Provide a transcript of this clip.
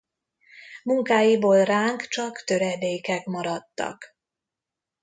Munkáiból ránk csak töredékek maradtak.